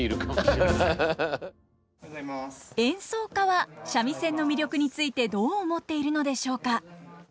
演奏家は三味線の魅力についてどう思っているのでしょうか。